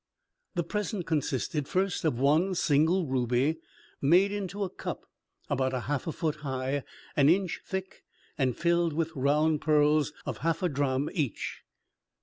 The present consisted, first, of one single ruby made into a cup, about half a foot high, an inch thick, and filled with round pearls of half a drachm each.